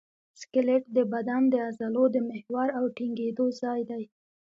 سکلیټ د بدن د عضلو د محور او ټینګېدو ځای دی.